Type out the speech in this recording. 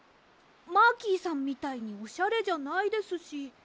マーキーさんみたいにオシャレじゃないですし。